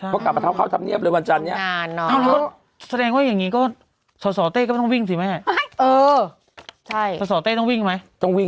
พอกลับมาเท้าเข้าธรรมเนียบเลยวันจันทร์เนี่ย